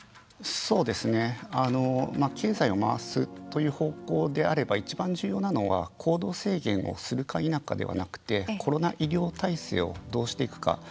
経済を回すという方向であれば一番重要なのは行動制限をするか否かではなくてコロナ医療体制をどうしていくか。